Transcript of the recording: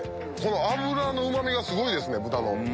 脂のうまみがすごいです豚の。